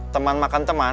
teman makan teman